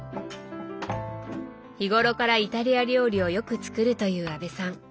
日頃からイタリア料理をよく作るという阿部さん。